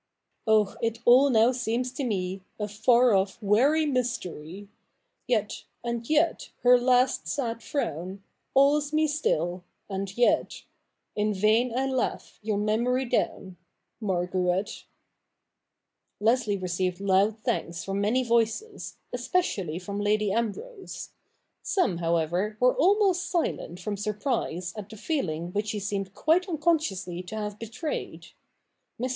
Oh, it all now seems to me A far off weary mysteiy ! Yet — and yet, her last sadf'rown Awes me still, and yet — In vain I laugh your memory down, Margaret. E2 68 THE NEW REPUBLIC [bk. i Leslie received loud thanks from many voices, especially from Lady Ambrose. Some, however, were almost silent from surprise at the feeling which he seemed quite unconsciously to have betrayed. Mrs.